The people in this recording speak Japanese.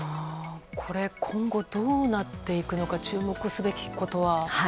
これ、今後どうなっていくのか注目すべきことは？